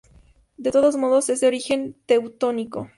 De todos modos es de origen teutónico.